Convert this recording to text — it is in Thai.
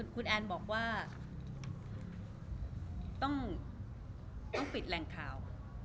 คุณแอนบอกว่าต้องปิดแหล่งข่าว